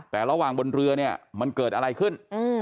แต่ระหว่างบนเรือเนี่ยมันเกิดอะไรขึ้น